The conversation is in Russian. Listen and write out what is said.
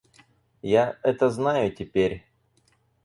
Я это знаю теперь.